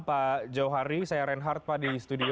pak jauhan saya reinhardt di studio